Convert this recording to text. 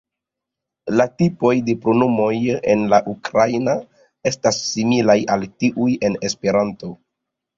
La tipoj de pronomoj en la ukraina estas similaj al tiuj en esperanto.